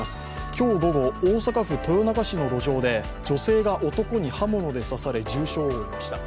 今日午後、大阪府豊中市の路上で女性が男に刃物で刺され重傷を負いました。